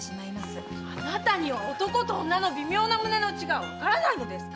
あなたには男と女の微妙な胸の内がわからないのですか